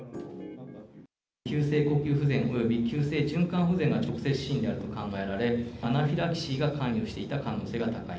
急性呼吸不全および急性循環不全が直接死因であると考えられ、アナフィラキシーが関与していた可能性が高い。